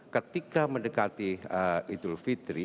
ketika mendekati idul fitri